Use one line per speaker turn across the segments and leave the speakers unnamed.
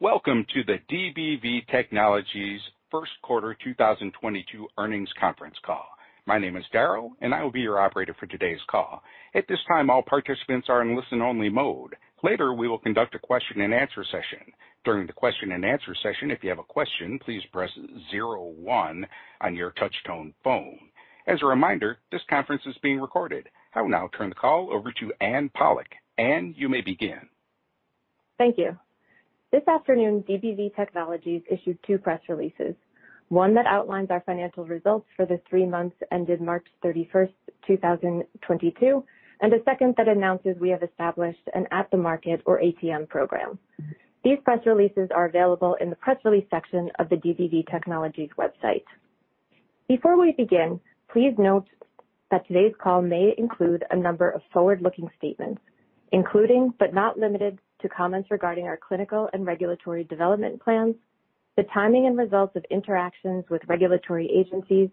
Welcome to the DBV Technologies Q1 2022 earnings conference call. My name is Daryl and I will be your operator for today's call. At this time, all participants are in listen-only mode. Later, we will conduct a Q&A session. During the Q&A session, if you have a question, please press zero one on your touch tone phone. As a reminder, this conference is being recorded. I will now turn the call over to Anne Pollak. Anne, you may begin.
Thank you. This afternoon, DBV Technologies issued two press releases. One that outlines our financial results for the three months ended March 31, 2022, and a second that announces we have established an at-the-market or ATM program. These press releases are available in the press release section of the DBV Technologies website. Before we begin, please note that today's call may include a number of forward-looking statements, including, but not limited to, comments regarding our clinical and regulatory development plans, the timing and results of interactions with regulatory agencies,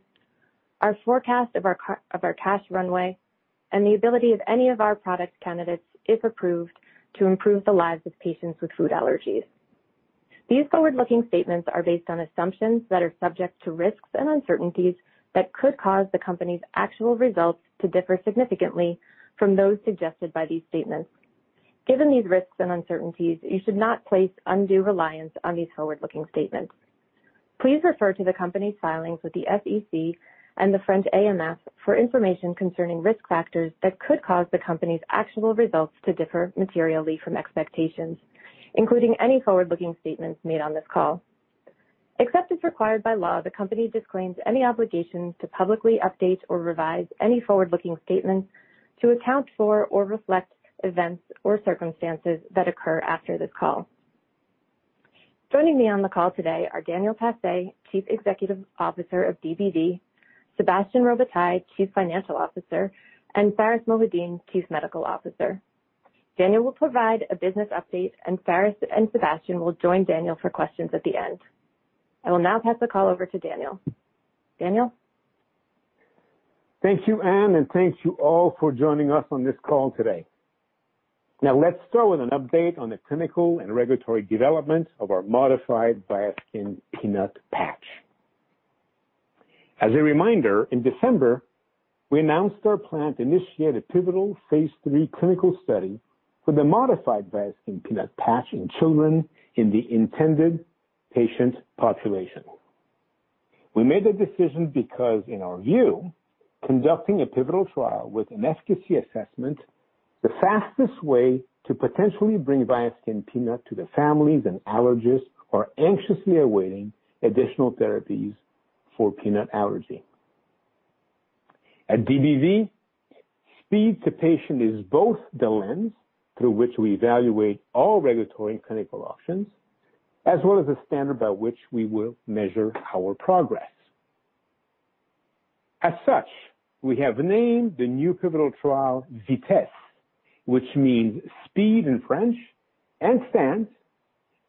our forecast of our cash runway, and the ability of any of our product candidates, if approved, to improve the lives of patients with food allergies. These forward-looking statements are based on assumptions that are subject to risks and uncertainties that could cause the company's actual results to differ significantly from those suggested by these statements. Given these risks and uncertainties, you should not place undue reliance on these forward-looking statements. Please refer to the company's filings with the SEC and the French AMF for information concerning risk factors that could cause the company's actual results to differ materially from expectations, including any forward-looking statements made on this call. Except as required by law, the company disclaims any obligation to publicly update or revise any forward-looking statements to account for or reflect events or circumstances that occur after this call. Joining me on the call today are Daniel Tassé, Chief Executive Officer of DBV, Sébastien Robitaille, Chief Financial Officer, and Pharis Mohideen, Chief Medical Officer. Daniel will provide a business update, and Pharis and Sébastien will join Daniel for questions at the end. I will now pass the call over to Daniel. Daniel.
Thank you, Anne, and thank you all for joining us on this call today. Now let's start with an update on the clinical and regulatory development of our modified Viaskin Peanut patch. As a reminder, in December, we announced our plan to initiate a pivotal phase III clinical study for the modified Viaskin Peanut patch in children in the intended patient population. We made the decision because, in our view, conducting a pivotal trial with an efficacy assessment, the fastest way to potentially bring Viaskin Peanut to the families and allergists who are anxiously awaiting additional therapies for peanut allergy. At DBV, speed to patient is both the lens through which we evaluate all regulatory and clinical options, as well as the standard by which we will measure our progress. As such, we have named the new pivotal trial VITESSE, which means speed in French and stands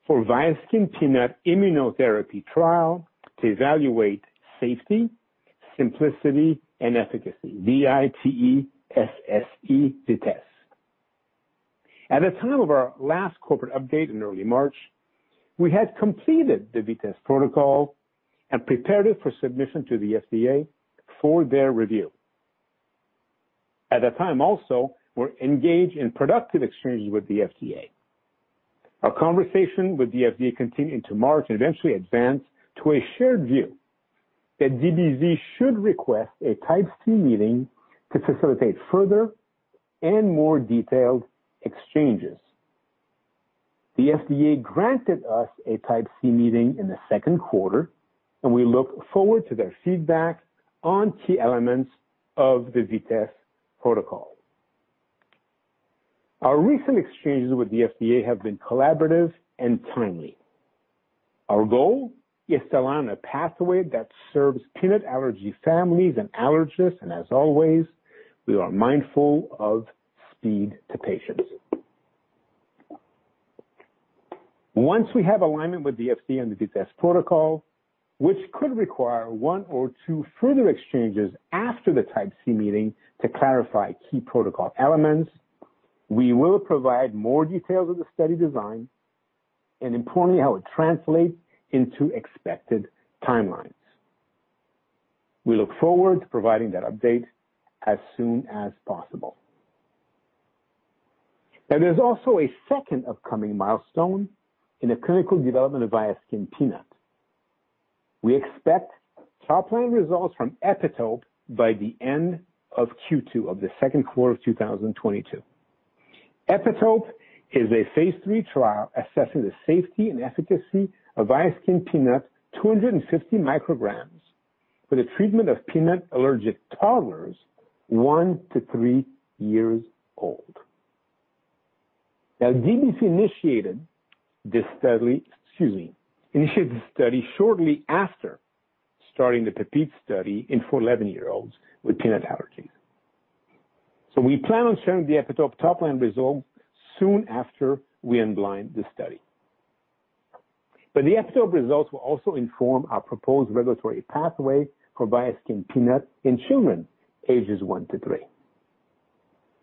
for Viaskin Peanut Immunotherapy Trial to Evaluate Safety, Simplicity and Efficacy. V-I-T-E-S-S-E, VITESSE. At the time of our last corporate update in early March, we had completed the VITESSE protocol and prepared it for submission to the FDA for their review. At that time also, we're engaged in productive exchanges with the FDA. Our conversation with the FDA continued into March and eventually advanced to a shared view that DBV should request a Type C meeting to facilitate further and more detailed exchanges. The FDA granted us a Type C meeting in the second quarter, and we look forward to their feedback on key elements of the VITESSE protocol. Our recent exchanges with the FDA have been collaborative and timely. Our goal is to land a pathway that serves peanut allergy families and allergists, and as always, we are mindful of speed to patients. Once we have alignment with the FDA on the VITESSE protocol, which could require one or two further exchanges after the Type C meeting to clarify key protocol elements, we will provide more details of the study design and importantly, how it translates into expected timelines. We look forward to providing that update as soon as possible. Now, there's also a second upcoming milestone in the clinical development of Viaskin Peanut. We expect top line results from EPITOPE by the end of Q2, the second quarter of 2022. EPITOPE is a phase III trial assessing the safety and efficacy of Viaskin Peanut 250 micrograms for the treatment of peanut-allergic toddlers one to three years old. DBV initiated this study shortly after starting the PEPITES study in four-11 year-olds with peanut allergies. We plan on sharing the EPITOPE top-line results soon after we unblind the study. The EPITOPE results will also inform our proposed regulatory pathway for Viaskin Peanut in children ages one-three.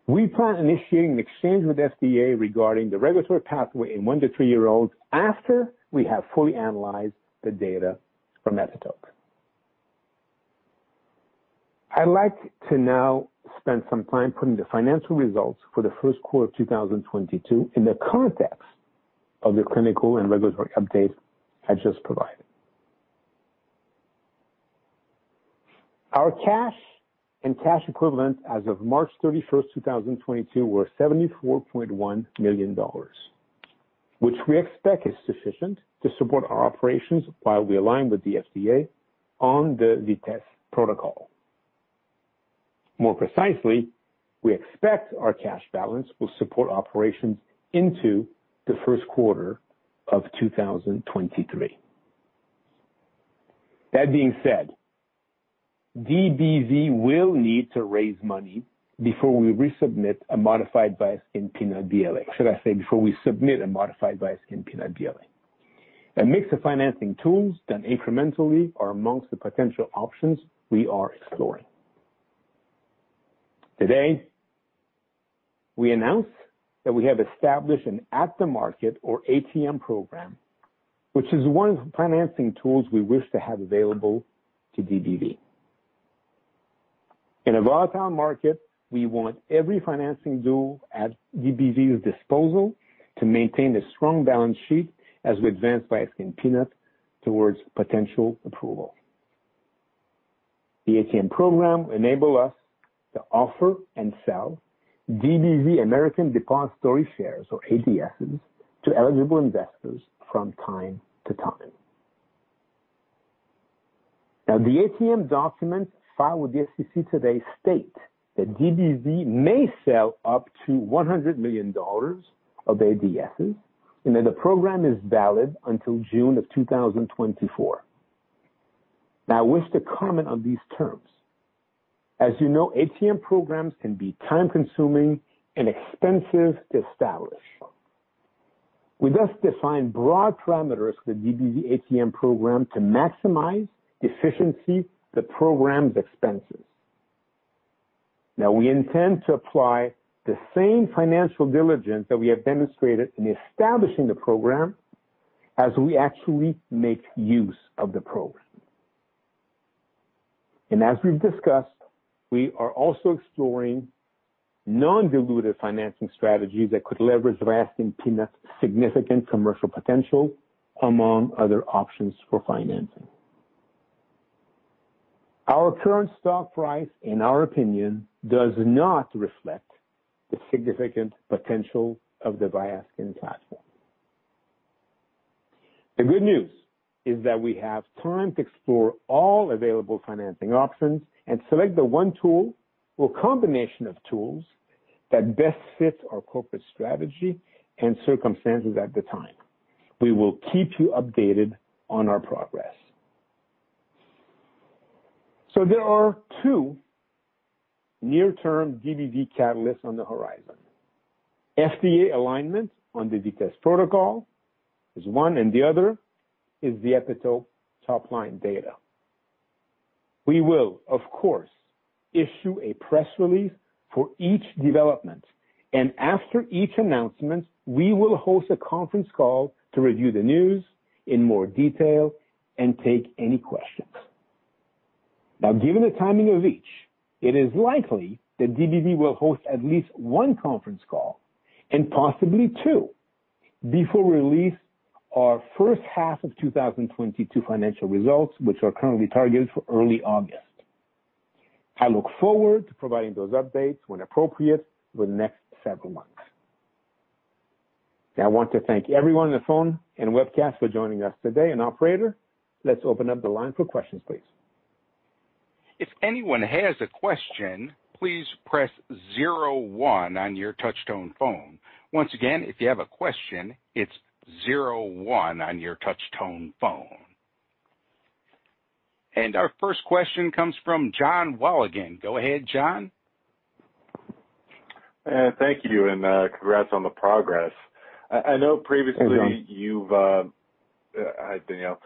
We plan initiating an exchange with FDA regarding the regulatory pathway in one-three year-olds after we have fully analyzed the data from EPITOPE. I'd like to now spend some time putting the financial results for the Q1 of 2022 in the context of the clinical and regulatory update I just provided. Our cash and cash equivalents as of March 31, 2022, were $74.1 million, which we expect is sufficient to support our operations while we align with the FDA on the VITESSE protocol. More precisely, we expect our cash balance will support operations into the Q1 of 2023. That being said, DBV will need to raise money before we submit a modified Viaskin Peanut BLA. A mix of financing tools done incrementally are amongst the potential options we are exploring. Today, we announce that we have established an at-the-market or ATM program, which is one of the financing tools we wish to have available to DBV. In a volatile market, we want every financing tool at DBV's disposal to maintain a strong balance sheet as we advance Viaskin Peanut towards potential approval. The ATM program will enable us to offer and sell DBV American Depositary Shares or ADSs to eligible investors from time to time. Now, the ATM documents filed with the SEC today state that DBV may sell up to $100 million of ADSs, and that the program is valid until June 2024. Now, I wish to comment on these terms. As you know, ATM programs can be time-consuming and expensive to establish. We thus define broad parameters for the DBV ATM program to maximize efficiency, the program's expenses. Now, we intend to apply the same financial diligence that we have demonstrated in establishing the program as we actually make use of the program. as we've discussed, we are also exploring non-dilutive financing strategies that could leverage the Viaskin Peanut's significant commercial potential, among other options for financing. Our current stock price, in our opinion, does not reflect the significant potential of the Viaskin platform. The good news is that we have time to explore all available financing options and select the one tool or combination of tools that best fits our corporate strategy and circumstances at the time. We will keep you updated on our progress. there are two near-term DBV catalysts on the horizon. FDA alignment on the VITESSE protocol is one, and the other is the EPITOPE top line data. We will, of course, issue a press release for each development, and after each announcement, we will host a conference call to review the news in more detail and take any questions. Now, given the timing of each, it is likely that DBV will host at least one conference call and possibly two before we release our first half of 2022 financial results, which are currently targeted for early August. I look forward to providing those updates when appropriate over the next several months. Now, I want to thank everyone on the phone and webcast for joining us today. Operator, let's open up the line for questions, please.
If anyone has a question, please press zero one on your touch tone phone. Once again, if you have a question, it's zero one on your touch tone phone. Our first question comes from Jonathan Wolleben. Go ahead, John.
Thank you, and congrats on the progress.
Hey, John.
I know previously you've, Hi, Daniel,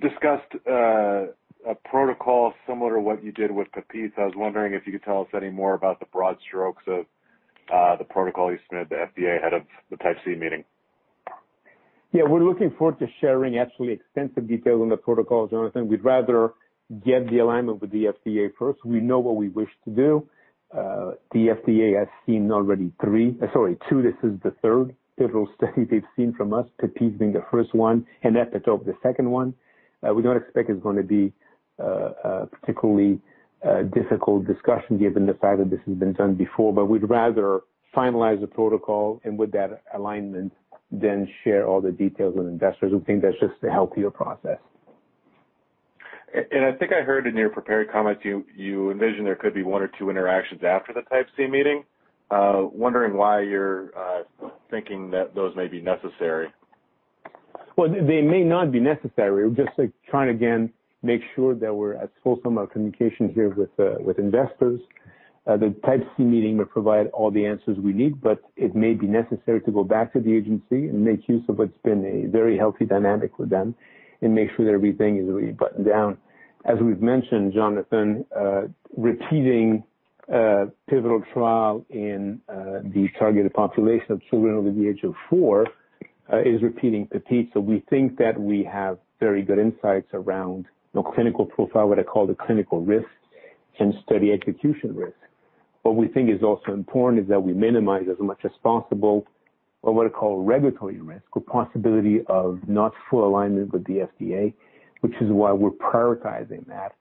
discussed a protocol similar to what you did with PEPITES. I was wondering if you could tell us any more about the broad strokes of the protocol you submitted to the FDA ahead of the Type C meeting.
Yeah, we're looking forward to sharing actually extensive details on the protocols, Jonathan. We'd rather get the alignment with the FDA first. We know what we wish to do. The FDA has seen already two. This is the third pivotal study they've seen from us. PEPITES being the first one and EPITOPE the second one. We don't expect it's gonna be a particularly difficult discussion given the fact that this has been done before. We'd rather finalize the protocol and with that alignment, then share all the details with investors. We think that's just the healthier process.
I think I heard in your prepared comments you envision there could be one or two interactions after the Type C meeting. Wondering why you're thinking that those may be necessary.
They may not be necessary. We're just, like, trying to make sure that we're as fulsome of communication here with investors. The Type C meeting will provide all the answers we need, but it may be necessary to go back to the agency and make use of what's been a very healthy dynamic with them and make sure that everything is really buttoned down. As we've mentioned, Jonathan, repeating a pivotal trial in the targeted population of children over the age of four is repeating PEPITES. So we think that we have very good insights around the clinical profile, what I call the clinical risk and study execution risk. What we think is also important is that we minimize as much as possible what I call regulatory risk or possibility of not full alignment with the FDA, which is why we're prioritizing that.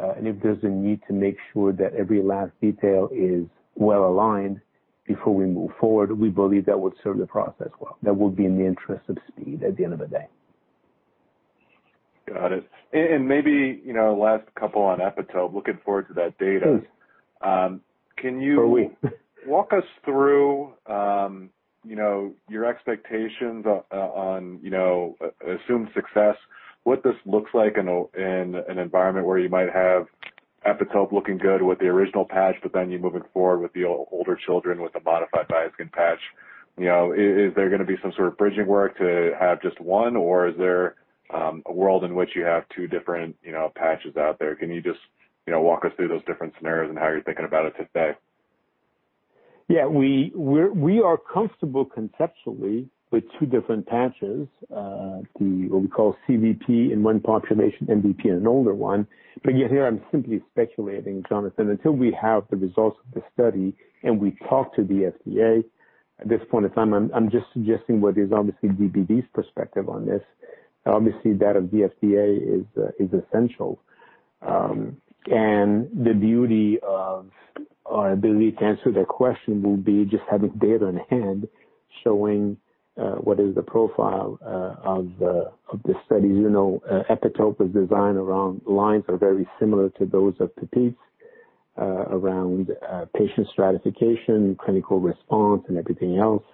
If there's a need to make sure that every last detail is well aligned before we move forward, we believe that would serve the process well. That will be in the interest of speed at the end of the day.
Got it. Maybe, you know, last couple on EPITOPE, looking forward to that data.
Sure.
Can you-
Are we?
Walk us through your expectations on assumed success, what this looks like in an environment where you might have EPITOPE looking good with the original patch, but then you're moving forward with the older children with a modified Viaskin patch. You know, is there gonna be some sort of bridging work to have just one or is there a world in which you have two different patches out there? Can you just walk us through those different scenarios and how you're thinking about it today?
Yeah. We are comfortable conceptually with two different patches, the what we call CVP in one population, MVP in an older one. Yet here I'm simply speculating, Jonathan, until we have the results of the study and we talk to the FDA. At this point in time, I'm just suggesting what is obviously DBV's perspective on this. Obviously, that of the FDA is essential. The beauty of our ability to answer that question will be just having data in hand showing what is the profile of the studies. You know, EPITOPE was designed around guidelines that are very similar to those of PEPITES, around patient stratification, clinical response and everything else.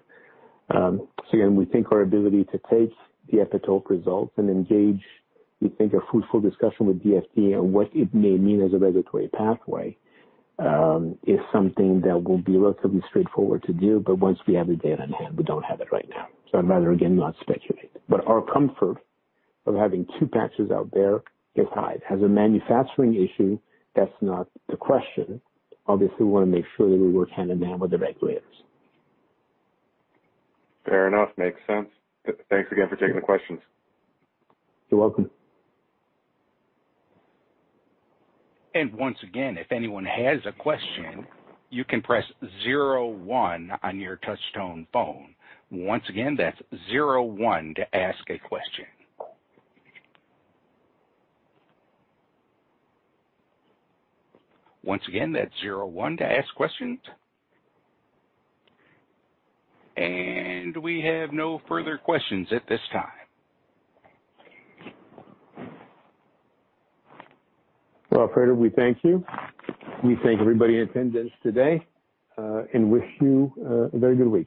Again, we think our ability to take the EPITOPE results and engage, we think, a fruitful discussion with the FDA on what it may mean as a regulatory pathway is something that will be relatively straightforward to do. Once we have the data in hand, we don't have it right now. I'd rather again, not speculate. Our comfort of having two patches out there is high. As a manufacturing issue, that's not the question. Obviously, we wanna make sure that we work hand in hand with the regulators.
Fair enough. Makes sense. Thanks again for taking the questions.
You're welcome.
Once again, if anyone has a question, you can press zero one on your touchtone phone. Once again, that's zero one to ask a question. Once again, that's zero one to ask questions. We have no further questions at this time.
Well, operator, we thank you. We thank everybody in attendance today, and wish you a very good week.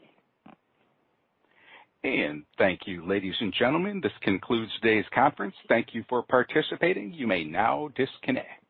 Thank you, ladies and gentlemen. This concludes today's conference. Thank you for participating. You may now disconnect.